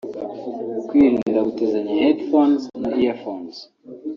Kwirinda gutizanya headphones/earphones